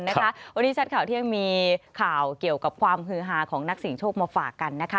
วันนี้ชัดข่าวเที่ยงมีข่าวเกี่ยวกับความฮือฮาของนักเสียงโชคมาฝากกันนะคะ